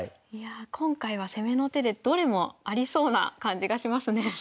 今回は攻めの手でどれもありそうな感じがしますね。